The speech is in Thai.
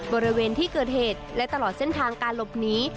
บริเวณที่เกิดเหตุและตลอดเส้นทางการหลบหนี